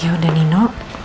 ya udah nino